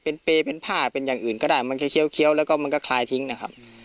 เป็นเปย์เป็นผ้าเป็นอย่างอื่นก็ได้มันจะเคี้ยวแล้วก็มันก็คลายทิ้งนะครับ